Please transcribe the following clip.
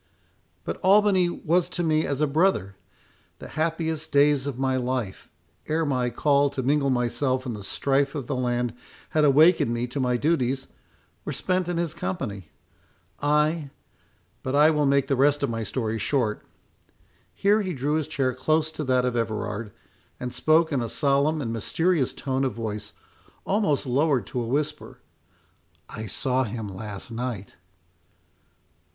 But Albany was to me as a brother. The happiest days of my life, ere my call to mingle myself in the strife of the land had awakened me to my duties, were spent in his company. I—but I will make the rest of my story short."—Here he drew his chair close to that of Everard, and spoke in a solemn and mysterious tone of voice, almost lowered to a whisper—"I saw him last night."